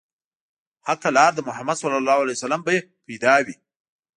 حقه لار د محمد ص به يې پيدا وي